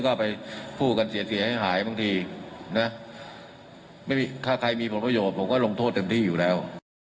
ใครมีผลประโยชน์ผมก็ลงโทษเต็มที่อยู่แล้ว